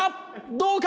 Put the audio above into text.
どうか？